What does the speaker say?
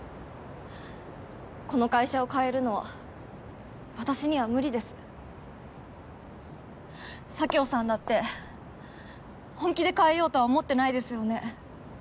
この会社を変えるのは私には佐京さんだって本気で変えようとは思ってないですよね？